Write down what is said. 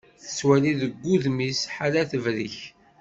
Tettwali deg wudem-is ḥala tebrek.